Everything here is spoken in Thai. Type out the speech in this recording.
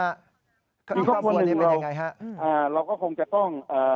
อีกครอบครัวหนึ่งเราก็คงจะต้อง